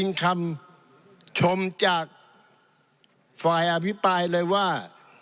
เป็นคำชมจากฝ่ายอภิปรายเลยว่า